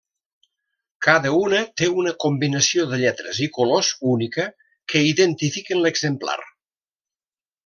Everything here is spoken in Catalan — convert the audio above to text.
Cada una té una combinació de lletres i colors única que identifiquen l'exemplar.